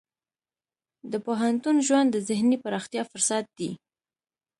د پوهنتون ژوند د ذهني پراختیا فرصت دی.